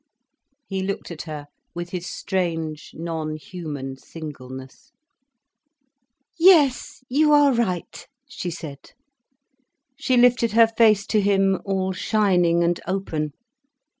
He looked at her with his strange, non human singleness. "Yes, you are right," she said. She lifted her face to him, all shining and open.